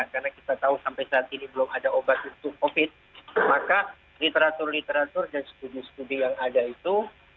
karena kita tahu sampai saat ini belum ada obat untuk covid sembilan belas maka literatur literatur dan studi studi yang ada itu